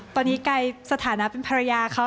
ตอนนี้ไกลสถานะเป็นภรรยาเขา